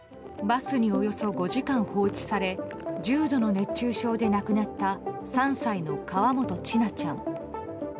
バスにおよそ５時間放置され重度の熱中症で亡くなった３歳の河本千奈ちゃん。